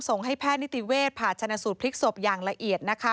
ส่งให้แพทย์นิติเวชผ่าชนะสูตรพลิกศพอย่างละเอียดนะคะ